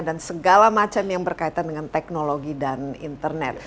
dan segala macam yang berkaitan dengan teknologi dan internet